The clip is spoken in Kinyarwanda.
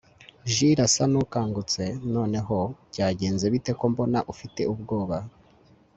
Juleasa nukangutse noneho byagenze bite ko mbona ufite ubwoba